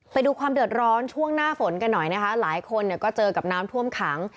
ไปดูความเดือดร้อนช่วงหน้าฝนกันหน่อยนะคะหลายคนเนี่ยก็เจอกับน้ำท่วมขัง